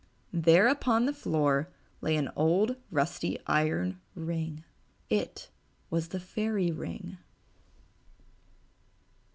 There upon the floor lay an old rusty iron ring. It was the Fairy Ring.